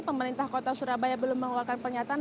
pemerintah kota surabaya belum mengeluarkan pernyataan